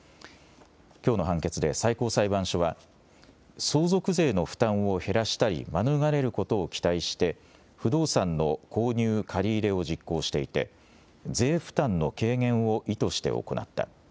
きょうの判決で最高裁判所は相続税の負担を減らしたり免れることを期待して不動産の購入・借り入れを実行していて税負担の軽減を意図して行った。